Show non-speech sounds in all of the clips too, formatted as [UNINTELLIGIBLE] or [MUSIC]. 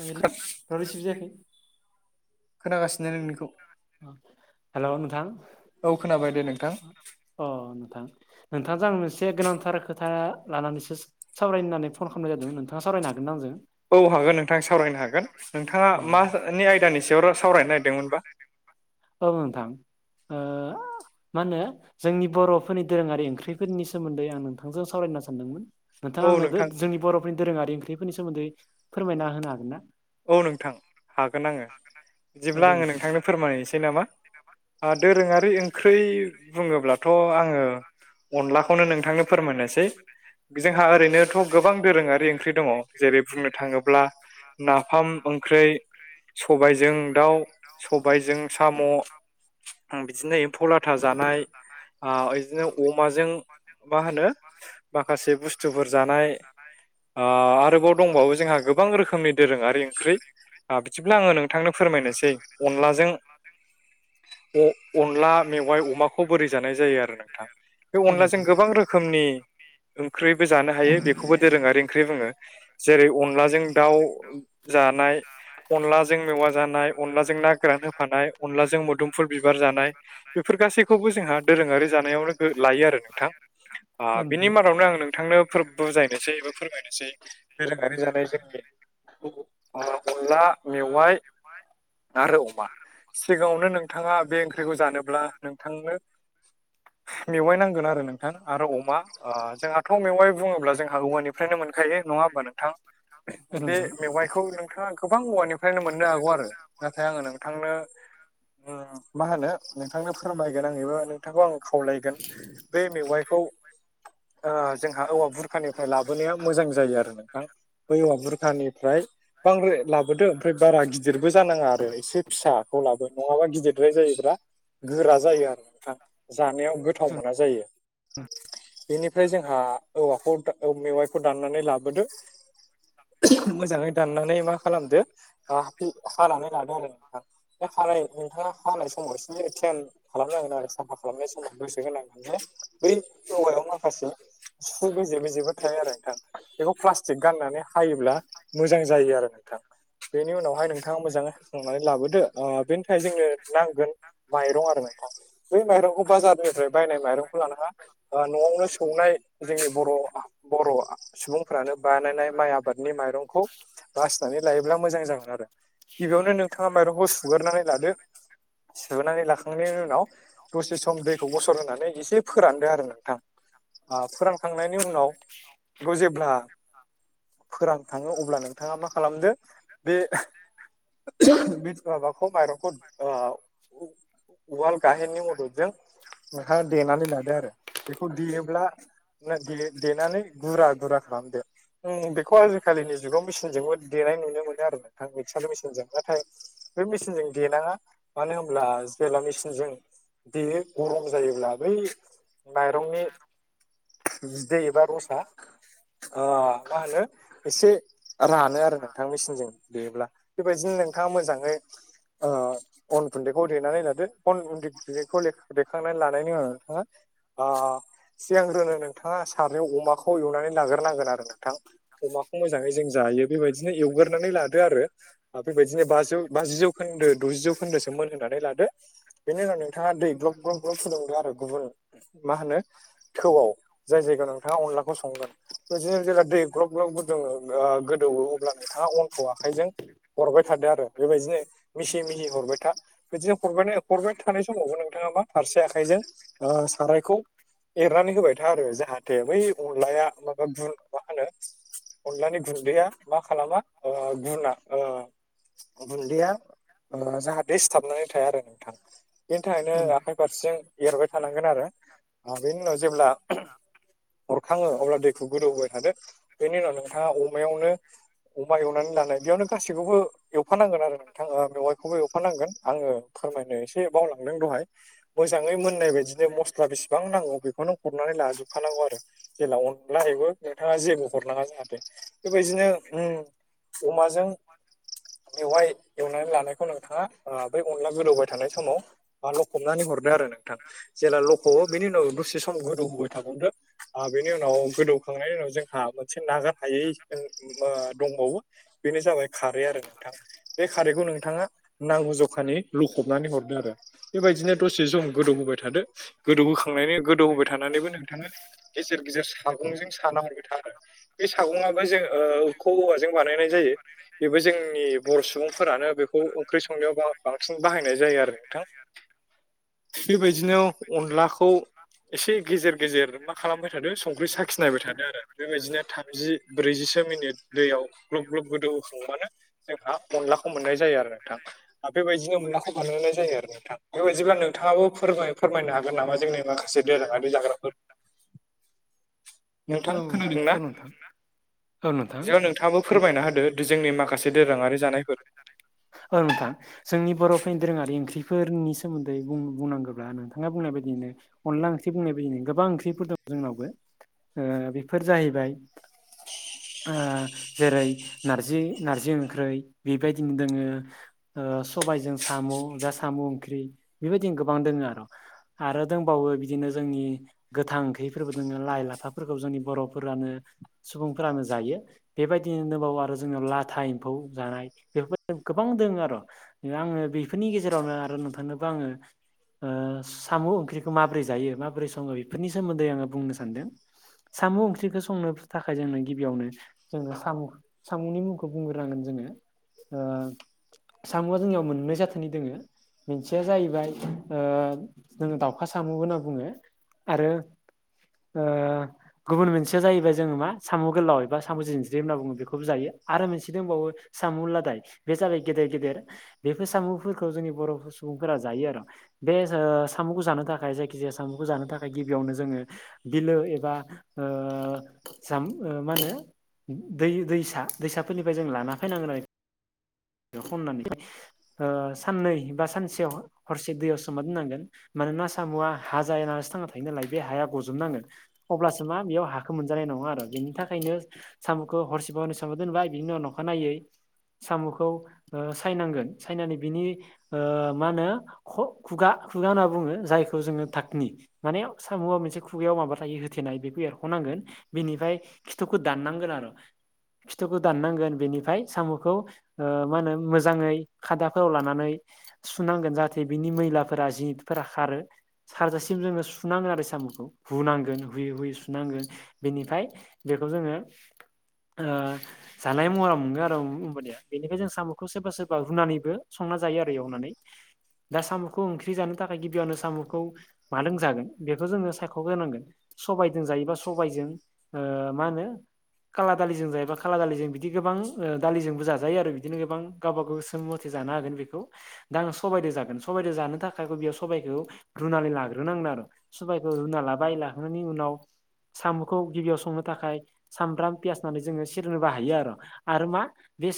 Receive [UNINTELLIGIBLE] जायाखै खोनागासिनो नोंनिखौ हेल' नोंथां औ खोनाबाय दे नोंथां अ नोंथां नोंथांजों आं मोनसे गोनांथार खोथा लानानैसो सावराय होननानै फन खालामनाय जादों नोंथाङा सावरायनो हागोन न आं जों औ हागोन नोंथां सावरायनो हागोन नोंथाङा औ मानि आयदानि सायाव सावरायनो नागिरदोंमोनबा। औ नोंथां ओ मा होनो जोंनि बर'फोरनि दोरोङारि ओंख्रिफोरनि सोमोन्दै आं नोंथांजों सावरायनो सानदोंमोन। नोंथां आंनो जोंनि बर'फोरनि दोरोङारि ओंख्रिफोरनि सोमोन्दै फोरमायना होनो हागोन ना? औ नोंथां हागोन आङो औ बिदिब्ला दे आङो नोंथां नोंथांनो फोरमायहनोसै नामा? दोरोङारि ओंख्रै बुङोब्लाथ' आङो। अनलाखौनो नोंथांनो फोरमायनोसै जोंहा ओरैनोथ' गोबां दोरोङारि ओंख्रि दङ जेरै बुंनो थाङोब्ला नाफाम ओंख्रि सबायजों दाउ सबायजों साम' बिदिनो एम्फौ लाथा जानाय ओ बिदिनो अमाजों मा होनो माखासे बुस्थुफोर जानाय आरोबाव दंबावो जोंहा गोबां रोखोमनि आरो ओंख्रि बिदिब्ला आङो नोंथांनो फोरमायनोसै अनलाजों अनला मेवाइ अमाखौ बोरै जानाय जायो आरो नोंथां बे औ अनलाजों नोंथां गोबां रो खोमनि ओंख्रिबो जानो हायो बेखौबो दोरोङारि ओंख्रि बुङो जेरै अनलाजों दाउ जानाय अनलाजों मेवा जानाय अनलाजों ना गोरान होफानाय अनलाजों मोदोमफुल बिबार जानाय बेफोर गासैखौबो जोंहा दोरोङारि जानायावनो लायो आरो नोंथां ओ औ नोंथां बिनि मादावनो आं नोंथां नोंनो बुजायनोसै एबा फोरमायनोसै दोरोङारि जानाय जोंनि अनला मेवाइ आरो अमा सिगाङावनो नोंथाङा बे ओंख्रिखौ जानोब्ला नोंथांनो मेवाय नांगोन आरो नोंथां आरो अमा ओ जोंहाथ' मेवाइ बुङोब्ला जोंहा औवानिफ्रायनो मोनखायो नङा होमबा नोंथां औ बे नोंथां मेवाइखौ नोंथाङा गोबां औवानिफ्रायनो मोननो हागौ आरो नाथाय आङो नोंथांनो मा होनो नोंथांनो फोरमायगोन आं एबा खोथाखौ आं खावलायगोन बे मेवाइखौ जोंहा औवा बुरखानिफ्राय लाबोनाया मोजां जायो आरो नोंथां दानिफ्राय बांद्राय लाबोदो ओमफ्राय बारा गिदिरबो जानाङा आरो एसे फिसाखौ लाबो नङाबा गिदिरद्राय जायोबा गोरा जायो आरो नोंथां जानायाव गोथाव औ मोना जायो। बेनिफ्राय जोंहा औवाखौ मेवाइखौ दाननानै लाबोदो मोजाङै दाननानै मा खालामदो हानानै लादो आरो हानाय नोंथाङा हानाय समाव एसे खालामनांगोन आरो साफा खालामनाय समाव गोसो गोनां बै औवायाव माखासे सफु बेजे बेजेबो थायो आरो नोंथां। बेखौ प्लास्टिक गाननानै हायोब्ला मोजां जायो आरो नोंथां। बेनि उनावहाय नोंथां नोंथाङा मोजाङै होखांनानै लाबोदो ओ बेनि थाखाय जोंनो नांगोन माइरं आरो नोंथां। बै माइरंखौ बाजार निफ्राय बायनाय माइरंखौ लानाङा न'आवनो सौनाय जोंनि बर' बर'आ सुबुंफ्रानो बानायनाय माइ आबादनि माइरंखौ बासिनानै लायोब्ला मोजां जागोन आरो। गिबियावनो नोंथाङा माइरंखौ सुगारनानै लादो सुगोरनानै लाखांनायनि उनाव दसे सम दैखौ गसर होनानै एसे फोरानदो आरो नोंथां ओ फोरानखांनायनि उनाव बे जेब्ला [INAUDIBLE] फोरान थांङो अब्ला नोंथाङा मा खालामदो बे बे माबाखौ माइरंखौ ओ उवाल गाहेननि मददजों नोंहा देनानै लादो आरो बेखौ देयोब्ला नों दे देनानै गुरा गुरा खालाम दे आ बेखौ आजिखालिनि जुगाव मेचनजोंबो देनाय नुनो मोनो आरो नोंथां मिक्सार मेचनजों नाथाय बे मेसिन जों दे नोंथांङा मानो होनब्ला जेब्ला मेचनजों बेयो गरम जायोब्ला बै माइरंनि बिदै एबा रसा ओ मा होनो एसे रानो आरो नोंथां मेसिनजों बेयोब्ला बेबायदिनो नोंथाङा मोजाङै ओ अन गुन्दैखौ देनानै लादो फन गिरखौ बेखांनानै लानायनि उनाव नोंथाङा आ सिगां रोनो नोंथाङा सारनाय अमाखौ एवनानै नाग्रोनांगोन आरो नोंथां। अमाखौ मोजाङै जों जायो बेबायदिनो एवगोरनानै लादो आरो। ओ बेबायदिनो बाजौ बाजि जौखोन्दो द'जि जौ खोन्दोसोमोन होननानै लादो। बेनि उनाव नोंथाङा दै ग्लब ग्लब ग्लबुदोंददों आरो गुबुन मा होनो थौआव जाय जायगायाव नोंथाङा अनलाखौ संगोन बिदिनो जेला दै ग्लब ग्लब गद गोदौवो अब्ला नोंथाङा अनखौ आखाइजों थादो आरो बेबायदिनो मिसि मिनि हरबाय था बिदिनो हरबाय हरबाय थानाय समावबो नोंथाङा मा फारसे आखाइजों ओ सारायखौ एरनानै होबाय था आरो जाहाथे बै अनलाया माबा गुन मा होनो‌ अनलानि गुन्दैया मा खालामा ओ गुना ओ गुन्दैया ओ जाहाथे सिथाबनानै थाया आरो नोंथा बेनि थाखायनो आखाइ फारसे एरबाय थानांगोन आरो बेनि उनाव जेब्ला हरखाङो अब्ला दैखौ गोदौबाय थादों बेनि उनाव नोंथाङा अमायावनो अमा एवनानै लानाय बेयावनो गासैखौबो एवफानांगोन आरो नोंथाङा ओ मेवाइखौबो एवफानांगोन आङो फोरमायनो एसे बावलांदों दहाय मोजाङै मोननाय बायदिनो मस्ला बेसिबां नांगौ बेखौ नों गुरनानै लाजोबखानांगौ आरो। जेला अनला बेबो नोंथाङा जेबो हरनाङा जाहाथे बेबायदिनो अमाजों जों बेवहाय एवनानै लानायखौ नोंथाङा ओ बे अनला गोदौबाय थानाय समाव बा लखबनानै हरदो आरो नोंथां जेला लखबो बेनि उनाव दसे सम गोदौ होबाय थागावदो बेनि उनाव गोदौखांनायनि उनाव जोंहा मोनसे नागार हायै ओ दंबावो बेनो जाबाय खारै आरो नोंथा। बे खारैखौ नोंथाङा नांगौ जखानि लुखबनानै हरदो आरो। बेबायदिनो दसे ज गोदौहोबाय थादो गोदौहोखां थंनानै गोदौ होबाय थानानैबो नोंथाङा गेजेर - गेजेर सागंजों साना हरबाय थादों आरो। बे सागंआबो जों ओ औवाजों बानायनाय जायो। बेबो जोंनि बर' सुबुंफोरानो बेखौ ओंख्रि संनायाव बांसिन बाहायनाय जायो आरो नोंथां। [INAUDIBLE] बेबायदिनो अनलाखौ एसे गेजेर गेजेर मा खालामबाय थादो संख्रि साखिनायबाय थादों आरो। बेबायदिनो थामजि ब्रैजिसो मिनिट दैयाव ग्लब ग्लब गोदौ होखांबानो जोंहा अनलाखौ मोननाय जायो आरो नोंथां। बेबायदिनो मोनलाखौ बानायोननाय जायो आरो नोंथां बेबायदिब्ला नोंथाङाबो फोर फोरमायनो हागोन नामा जोंनि माखासे दोरोङारि जाग्राफोर नोंथां खोनदोंना? औ औ नोंथां औ नोंथां जयाव नोंथाङाबो फोरमायना होदो। जोंनि माखासे दोरोङारि जानायफोर ओ नोंथां। जोंनि बर'फोरनि दोरोङारि ओंख्रिफोरनि सोमोन्दै बुंनांगौब्ला नोंथाङा बुंनाय बायदियैनो अनला ओंख्रि बुंनाय बायदिनो गोबां ओंख्रिफोर दं जोंनावबो ओ बेफोर जाहैबाय ओ जेरै नारजि नारजि ओंख्रै बेबायदिनो दोङो ओ सबायजों साम' बेा साम' ओंख्रि बेबायदिनो गोबां दोङो आरो। आरो दंबावो बिदिनो जोंनि गोथां ओंख्रिफोरबो दोङो लाइ - लाफाफोरखौ जोंनि बर'फोरानो सुबुंफोरानो जायो बेबायदिनो दबावो आरो जोंनियाव लाथा एम्फौ जानाय बेफोरबाय गोबां दङ आरो' आङो बेफोरनि गेजेरावनो आरो नोंथांनोबो आङो साम' ओंख्रिखौ माबोरै जायो माबोरै सङो बेफोरनि सोमोन्दै आङो बुंनो सानदों। साम' ओंख्रिखौ संनो थाखाय जोंनो गिबियावनो जोङो साम' सामुंनि मुंखौ बुंग्रांगोन जोङो ओ सामुआ जोंनियाव मोननै जाथोननि दोङो। मोनसेया जाहैबाय जोंङ दाउखा साम' होनना बुङो। आरो ओ गुबुन मोनसेया जाहैबाय जोङो मा साम' गोलाव एबा साम' जिनस्रि होनना बुङो बेखौबो जायो आरो मोनसे दंबावो साम' लादाय बे जाबाय गेदेर गेदेर बेफोर साम'फोरखौ जोंनि बर' सुबुंफोरा जायो आरो। बे साम'खौ जानो थाखाय जायखिजाया साम'खौ जानो थाखाय गिबियावनो जोङो बिलो एबा ओ ज मा होनो दै दैसा दैसाफोरनिफ्राय जों लाना फैनांगोन आरो। बेखौनानै साननै बा सानसेयाव हरसे दैयाव सोमा दनांगोन। मानोना सामुआ हा जाया होनसो थांना थायो नालाय बे हाया गजबनांगोन। अब्लासो मा बेयाव हाखौ मोनजानाय नङा आरो बेनि थाखायनो साम'खौ हरसेबावनि साम' दोनबाय बिनि उनाव अख नायै साम'खौ सायनांगोन सायनानै बिनि मा होनो? खुगा खुगा होनना बुङो जायखौ जोङो थाखकनि माने साम'आ मोनसे खुगायाव माबा थायो होथेनाय बेखौ एरख'नांगोन। बेनिफ्राय खिथुखौ दाननांगोन आरो खिथुखौ दाननांगोन बेनिफ्राय साम'खौ मा होनो मोजाङै खादाफोराव लानानै सुनांगोन जाहाथे बिनि मैलाफोरा जिफोरा खारो। सारजासिम जोङो सुनांगोन आरो साम'खौ हुनांगोन हुयै हुयै सुनांगोन बेनिफ्राय बेखौ जोङो जानाय महराव मोनगो आरो हबानिया। बेनिफ्राय जों साम'खौ सोरबा सोरबा रुनानैबो संना जायो आरो एवनानै। दा साम'खौ ओंख्रि जानो थाखाय गिबियावनो साम'खौ मादों जागोन बेखौ जोङो सायख'ग्रोनांगोन सबायजों जायोबा सबजों। मा होनो? खाला दालिजों जायोबा खाला दालिजों बिदि गोबां दालिजोंबो ज जायो आरो बिदिनो गोबां गावबा गाव समोम मथे जानो हागोन बेखौ दा आं सबाइजों जागोन सबाइजों जानो थाखायबो बेयाव सबबायखौ रुनानै लाग्रोनांगदों आरो। सुबबायखौ रुना लाबाय लाखोननि उनाव साम'खौ गिबियाव संनो थाखाय सामब्राम पियास होननानै जोङो सेरनो बाहायो आरो, आरो मा? बे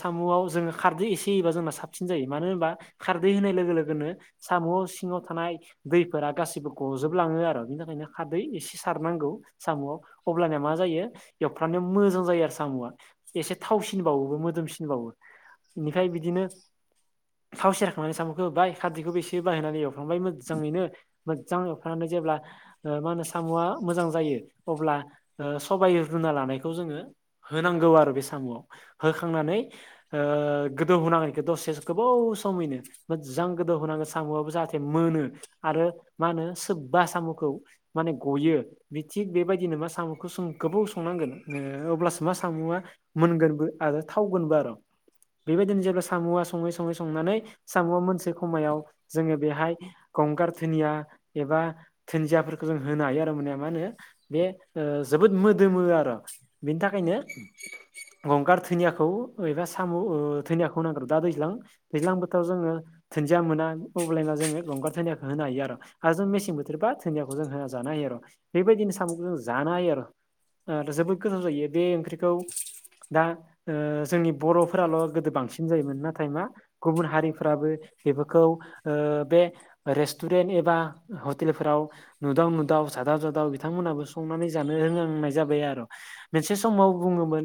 साम'आव जोङो खारदै एसे होयोबा जोंना साबसिन जायो। मानो होनबा? खारदै होनाय लोगो लोगोनो साम' सिङाव थानाय दैफोरा गाैबो गजोबलाङो आरो बिनि थाखायनो खादै इसि सारनांगौ साम'आव अब्लानया मा जायो एवफ्रानो मोजां जायो आरो साम'आ एसे थावसिन बावोबो मोदोमसिन बावो बिनिफाय बिदिनो थाव सेरखांनानै साम'खौ होबाय खारदिखौबो इसे बाहायनानै एवफ्रामबाय मोजाङैनो मोज्जां एवफ्रानै जेब्ला ओ मा होनो साम'आ मोजां जायो अब्ला ओ सबायाइ रुना लानायखौ जोङो होनांगौ आरो बे साम'आव होखांनानै गोदौहोनांगौ आरोखि दसे गोबाव समैनो मोजां गोदौ होनांगोन साम'आबो जाहाथे मोनो, आरो मा होनो? सोरबा साम'खौ माने गयो। बे थिग बेबायदिनो मा साम'खौ जों गोबाव संनांगोन अब्लासो मा साम'आ मोनगोनबो आरो थावगोनबो आरो'। बेबायदिनो जेब्ला साम'आ सङै सङै संनानै साम'आ मोनसे खमायाव जोङो बेहाय गंगार धुनिया एबा दुन्दियाफोरखौ जों होनो हायो आरो मोनाने मा होनो? बे जोबोद मोदोमो आरो, बेनि थाखायनो गंगार थ धिनियाखौ एबा साम' ओ थैनियाखौ [UNINTELLIGIBLE] दा दैज्लां दैज्लां बोथोराव जोङो दोन्जिया मोना अब्लाय ना जोङो गंगार दोनियाखौ होनो हायो आरो आरो जों मेसें बोथोर बा धोनियाखौ जों होन जानो हायो आरो बेबायदिनो साम'खौ जों जानो हायो आरो आरो जोबोद गोथाव जायो बे ओंख्रिखौ दा ओ जोंनि बर'फोराल' गोदो बांसिन जायोमोन नाथाय मा गुबुन हारिफ्राबो बेफोरखौ ओ बे रेस्टुरेन्ट एबा हटेलफोराव नुदाव नुदाव सादाव जादाव बिथांमोनहाबो संनानै जानो रोंनांनाय जाबाय आर' मोनसे समाव बुङोमोन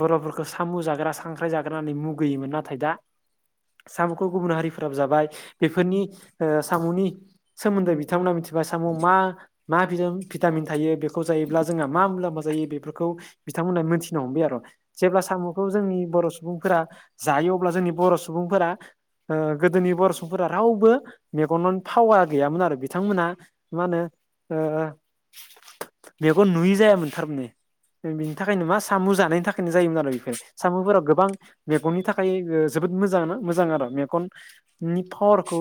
बर'फोरख साम' जाग्रा सांख्राय जाग्रा नै मुगैयोमोन नाथाय दा साम'खौ गुबुन हारिफोराबो जाबाय बेफोरन ओ साम'नि सोमोन्दै बिथांमोना मिथि बा साम'आव मा मा [UNINTELLIGIBLE] भिटामिन थायो बेखौ जायोब्ला जोंहा मा मुलाम्फा जायो बेफोरखौ बिथांमोनहा मिथिनो हमबाय आरो जेब्ला साम'खौ जोंनि बर' सु बुंफोरा जायो अब्ला जोंनि बर' सुबुंफोरा ओ गोदोनि बर' सुबुंफोरा रावबो मेगन आनो थावआ गैयामोन आरो बिथांमोना मा होनो ओ बेखौ नुयि जायामोन थारमाने [UNINTELLIGIBLE] थाखाय नो मा सामु जानायनि थाख जायोमोन आरो बेफोरो साम'फोराव गोबां मेगननि थाखाय जोबोद मोजां मोजां आरो मेगन नि पावारखौ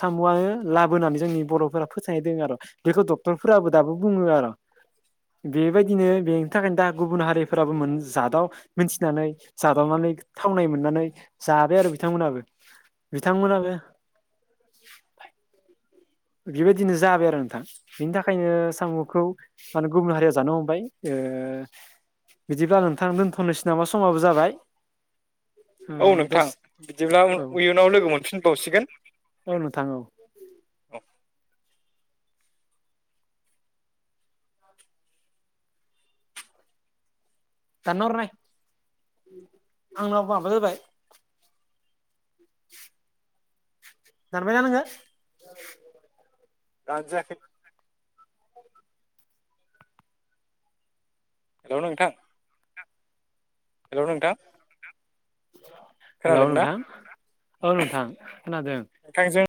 सामुआनो लाबोनानै जोंनि बर'फोरा फोथायदों आरो बेखौ डक्टरफोराबो दाबो बुङो आर' बेबायदिनो बेनि थाखायनो दा गुबुन हारिफोराबो मोनज दाव मिथिनानै जादावनानै थावनाय मोननानै जाबाय आरो बिथांमोनाबो बिथांमोनाबो [INAUDIBLE] बेबायदिनो जाबाय आरो नोंथां बिनि थाखायनो साम'खौ मानो गुबुन हारिया जानो हमबाय ओ बिदिब्ला नोंथां दोनथ'नोसै नामा समाबो जाबाय ओ औ नोंथां दस बिदिब्ला औ उयुनाव लोगो मोनफिनबावसिगोन औ नोंथां औ औ दान हर नाय आंनाव माबा जाबाय [INAUDIBLE] दानबाय ना नोङो? दानजायाखै हेल' नोंथां हेल' नोंथां हेल' खोनादों ना नोंथां औ नोंथां खोनादों थांजों